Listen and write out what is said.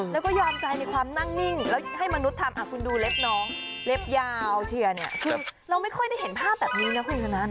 แล้วก็ยอมใจในความนั่งนิ่งแล้วให้มนุษย์ทำคุณดูเล็บน้องเล็บยาวเชียร์เนี่ยคือเราไม่ค่อยได้เห็นภาพแบบนี้นะคุณชนะ